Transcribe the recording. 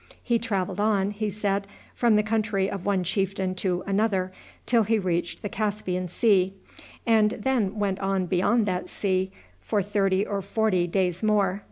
He traveled on, he said, from the country of one chieftain to another till he reached the Caspian Sea, and then went on beyond that sea for thirty or forty days more.